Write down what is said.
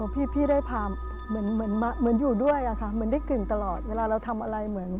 พี่ได้พาเหมือนอยู่ด้วยอะค่ะเหมือนได้กลิ่นตลอดเวลาเราทำอะไรเหมือน